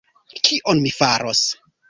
Kion mi faros?